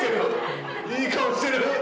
いい顔してる！